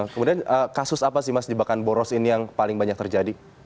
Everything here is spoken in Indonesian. kemudian kasus apa sih mas jebakan boros ini yang paling banyak terjadi